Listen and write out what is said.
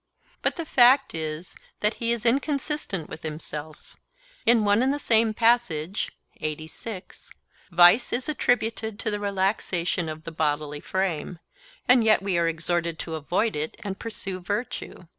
But the fact is that he is inconsistent with himself; in one and the same passage vice is attributed to the relaxation of the bodily frame, and yet we are exhorted to avoid it and pursue virtue.